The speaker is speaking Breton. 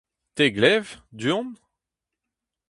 Te 'glev, du-hont…?